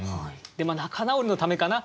でまあ仲直りのためかな？